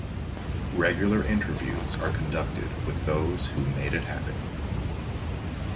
Regular interviews are conducted with those who made it happen.